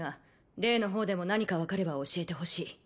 レイの方でも何か分かれば教えてほしい